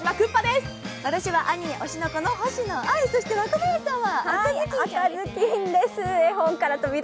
私はアニメ「推しの子」の星野アイ、そして若林さんは？